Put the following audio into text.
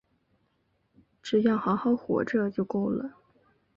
只要好好活着就够了